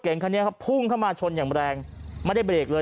เก่งคันเนี้ยครับพุ่งเข้ามาชนอย่างแรงไม่ได้เบรกเลย